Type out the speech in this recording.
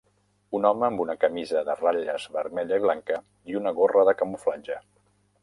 Un home amb una camisa de ratlles vermella i blanca i una gorra de camuflatge.